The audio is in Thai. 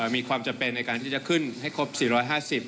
มีความจำเป็นในการที่จะขึ้นให้ครบ๔๕๐